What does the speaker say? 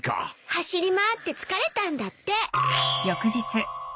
走り回って疲れたんだって。